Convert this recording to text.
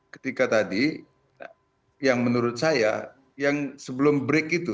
ketika tadi yang menurut saya yang sebelum break itu